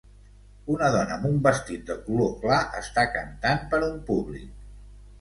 Una dona amb un vestit de color clar està cantant per un públic.